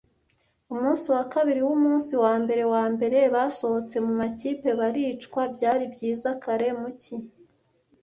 Umunsi wa kabiri wumunsi wambere wambere basohotse mumakipe baricwa, byari byiza kare mu cyi,